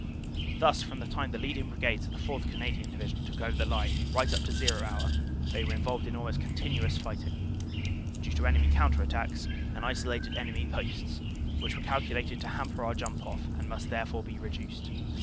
Thus from the time the leading Brigades of the 4th. Canadian Division took over the line right up to "zero" hour they were involved in almost continuous fighting, due to enemy counter attacks and isolated enemy posts, which were calculated to hamper our jump off and must therefore be reduced.